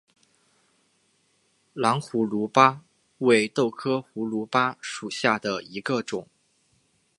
蓝胡卢巴为豆科胡卢巴属下的一个种。